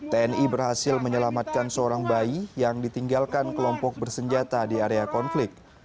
tni berhasil menyelamatkan seorang bayi yang ditinggalkan kelompok bersenjata di area konflik